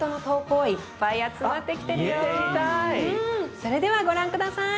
それではご覧下さい。